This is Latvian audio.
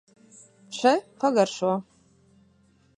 Še, pagaršo!